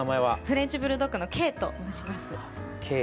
フレンチブルドッグのＫと申します。